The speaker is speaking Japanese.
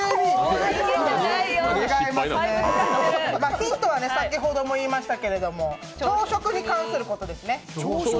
ヒントは先ほども言いましたけれども、朝食に関することですね。